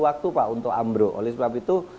waktu pak untuk ambruk oleh sebab itu